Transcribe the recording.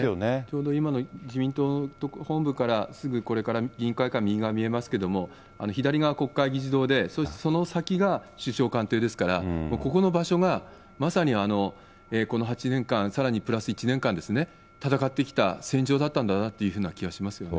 ちょうど今の自民党の本部から、すぐこれから議員会館、右側見えますけれども、左側、国会議事堂でそしてその先が首相官邸ですから、ここの場所がまさにこの８年間、さらにプラス１年間ですね、戦ってきた戦場だったんだなって気はしますよね。